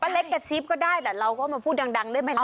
ป้าเล็กกระซีบก็ได้แต่เราก็เนิ่นมาพูดดังด้วยไมแรง